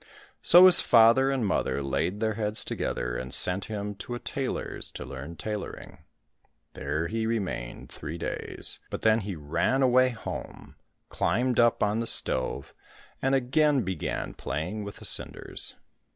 So his father and mother laid their heads together, and sent him to a tailor's to learn tailoring. There he remained three days, but then he ran away home, climbed up on the stove, and again began playing with the cinders.